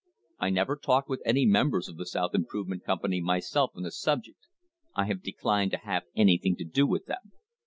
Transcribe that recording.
I never talked with any members of the South Improvement Company myself on the subject; I declined to have anything to do with them."